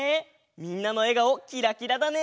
みんなのえがおキラキラだね。